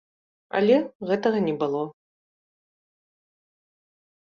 Але гэтага не было.